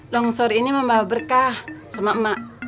longsor ini membawa berkah sama emak